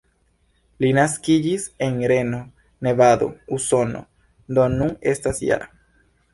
Li naskiĝis en Reno, Nevado, Usono, do nun estas -jara.